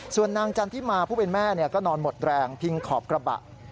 ส่วนนางจันทิมาผู้เป็นแม่ก็นอนหมดแรงพิงขอบกระบะ